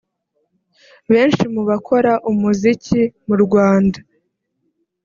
Benshi mu bakora umuziki mu Rwanda